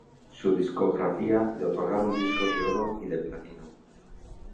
Su discografía le otorgaron discos de oro y de platino.